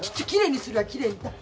きれいにするわきれいに。